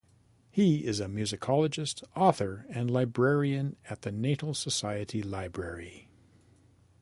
He is a musicologist, author, and librarian at the Natal Society Library.